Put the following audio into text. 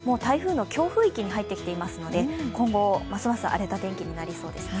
千葉県だったり、小笠原諸島も強風域に入ってきていますので、今後、ますます荒れた天気になりそうですね。